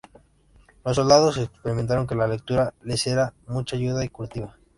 Los soldados experimentaron que la lectura les era de mucha ayuda y curativa.